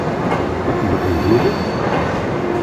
Ad tedduklemt yid-s?